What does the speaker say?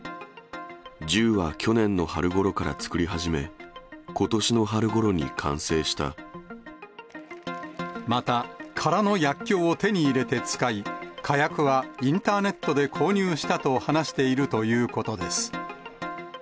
銃は去年の春ごろから作り始また、空の薬きょうを手に入れて使い、火薬はインターネットで購入したと話しているということです。